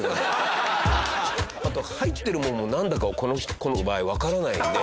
あと入ってるものもなんだかこの子の場合わからないよね。